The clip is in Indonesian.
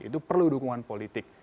itu perlu dukungan politik